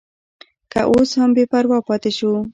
که اوس هم بې پروا پاتې شو.